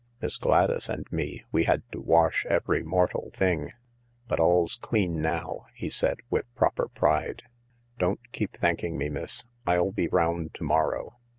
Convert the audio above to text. Miss Gladys and me, we had to wash every mortal thing. But all's clean now," he said, with proper pride. " Don't keep thanking me, miss. I'll be round to morrow."